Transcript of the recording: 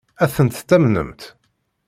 Ad tent-tamnemt?